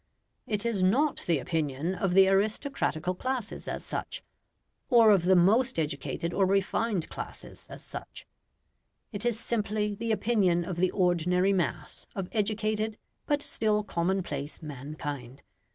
It is NOT the opinion of the aristocratical classes as such; or of the most educated or refined classes as such; it is simply the opinion of the ordinary mass of educated, but still commonplace mankind.